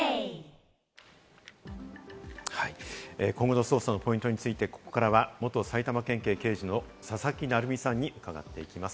今後の捜査のポイントについて、ここからは元埼玉県警刑事の佐々木成三さんに伺っていきます。